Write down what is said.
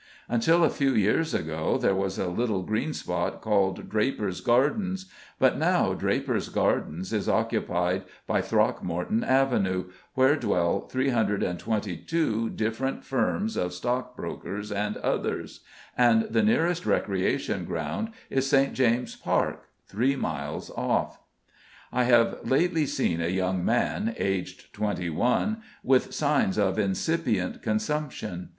Until a few years ago there was a little green spot called Drapers' Gardens, but now Drapers' Gardens is occupied by Throgmorton Avenue, where dwell 322 different firms of stockbrokers and others, and the nearest recreation ground is St. James's Park, three miles off. I have lately seen a young man, aged 21, with signs of incipient consumption.